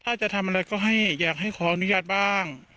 ถ้าจะทำอะไรก็ให้อยากให้ขออนุญาตบ้าง